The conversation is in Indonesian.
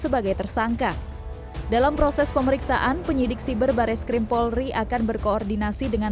sebagai tersangka dalam proses pemeriksaan penyidik siber barres krim polri akan berkoordinasi dengan